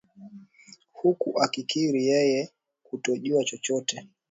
huku akikiri yeye kutojua chochote